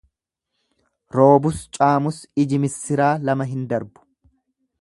Roobus caamus iji missiraa lama hin darbu.